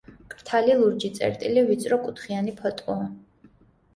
მკრთალი ლურჯი წერტილი ვიწრო კუთხიანი ფოტოა.